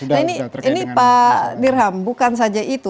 nah ini pak dirham bukan saja itu